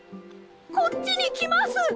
こっちにきます。